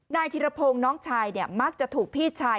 นายธีรพงษ์น้องชายเนี่ยมักจะถูกพี่ชาย